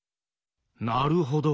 なるほど。